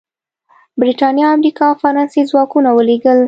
برېټانیا، امریکا او فرانسې ځواکونه ولېږل.